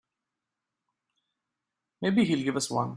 Maybe he'll give us one.